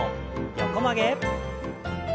横曲げ。